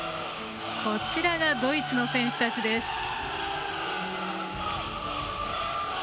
こちらがドイツの選手たちです。